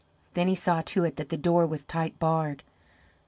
Then he saw to it that the door was tight barred.